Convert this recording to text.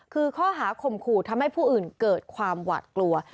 คือข้อหาข่มขู่ทำให้ผู้อื่นเกิดความหวาดกลัว